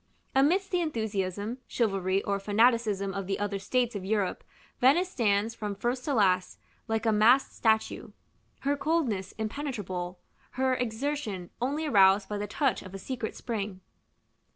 Amidst the enthusiasm, chivalry, or fanaticism of the other states of Europe, Venice stands, from first to last, like a masked statue; her coldness impenetrable, her exertion only aroused by the touch of a secret spring.